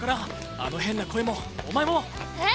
あの変な声もお前も！えっ？